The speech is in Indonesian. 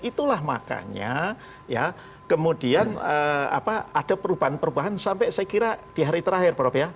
itulah makanya ya kemudian ada perubahan perubahan sampai saya kira di hari terakhir prof ya